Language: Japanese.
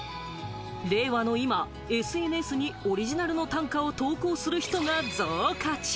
令和の今、ＳＮＳにオリジナルの短歌を投稿する人が増加中。